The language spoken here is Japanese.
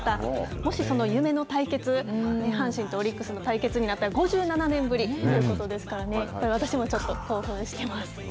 もしその夢の対決、阪神とオリックスの対決になったら、５７年ぶりということですからね、私もち